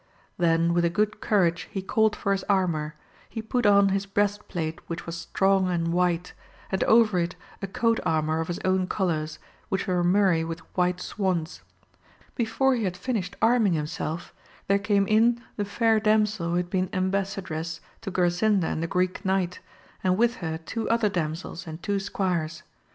Then with a good courage he called for his armour; he put on his breast plate which was strong and white, and over it a coat armour of his [own colours, which were murrey with white swans : before he had finished arming himself, there came in the fair damsel who had been embassadress to Grasinda and the Greek Knight, and with her two other damsels and two squires.